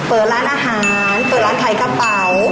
เปิดร้านอาหารเปิดร้านขายกระเป๋า